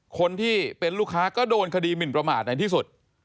คนที่เป็นลูกค้าก็โดนคดีหมินประมาทในที่สุด